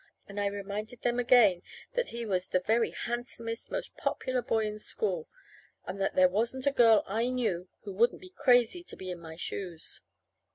And I reminded them again that he was the very handsomest, most popular boy in school; and that there wasn't a girl I knew who wouldn't be crazy to be in my shoes.